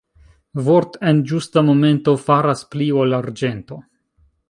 Vort' en ĝusta momento faras pli ol arĝento.